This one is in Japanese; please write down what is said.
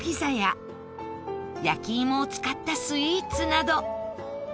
焼き芋を使ったスイーツなど